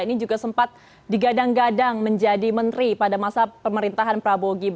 ini juga sempat digadang gadang menjadi menteri pada masa pemerintahan prabowo gibran